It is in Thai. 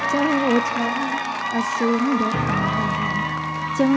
สวัสดีครับ